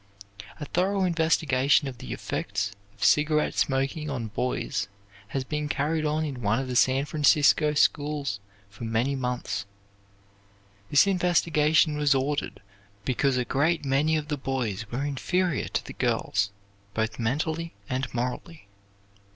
A thorough investigation of the effects of cigarette smoking on boys has been carried on in one of the San Francisco schools for many months. This investigation was ordered because a great many of the boys were inferior to the girls, both mentally and morally.